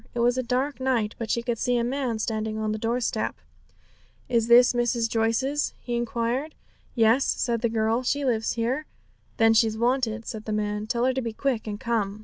It was a dark night, but she could see a man standing on the doorstep. 'Is this Mrs. Joyce's?' he inquired. 'Yes,' said the girl; 'she lives here.' 'Then she's wanted,' said the man; 'tell her to be quick and come.'